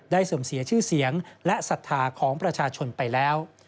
ได้เสี่ยชื่อเสียงและศัฒนาของประชาชนไปแล้ว